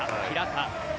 平田。